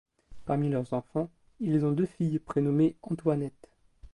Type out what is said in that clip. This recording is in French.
Parmi leurs enfants, ils ont deux filles prénommées Antoinette.